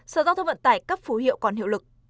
sở giao thông vận tải cấp phù hiệu còn hiệu lực